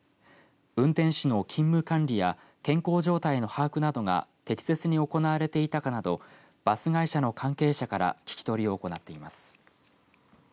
運転手の勤務管理や健康状態の把握などが適切に行われていたかなどバス会社の関係者から聞き取りを行っています。